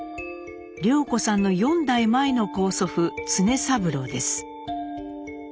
涼子さんの４代前の高祖父常三郎です。